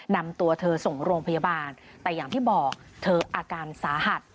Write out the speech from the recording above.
นำตัวเธอส่งโรงพยาบาลแต่อย่างที่บอกเธออาการสาหัส